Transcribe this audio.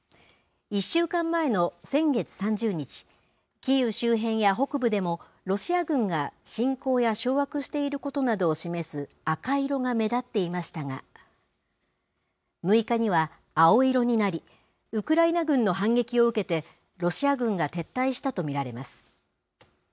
１週間前の先月３０日、キーウ周辺や北部でも、ロシア軍が侵攻や掌握していることなどを示す赤色が目立っていましたが、６日には青色になり、ウクライナ軍の反撃を受けて、ロシア軍が撤退したと見られます。